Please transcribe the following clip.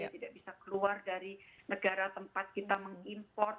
tidak bisa keluar dari negara tempat kita mengimport